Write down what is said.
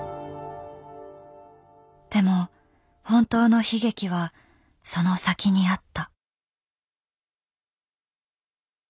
でも本当の悲劇はその先にあった。